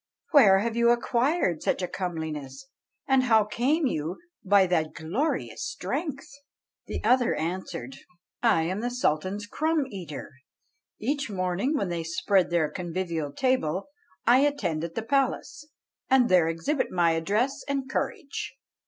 Where have you acquired such a comeliness? and how came you by that glorious strength?" The other answered, "I am the Sultan's crumb eater. Each morning, when they spread the convivial table, I attend at the palace, and there exhibit my address and courage.